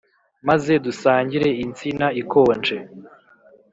maze dusangire insina ikonje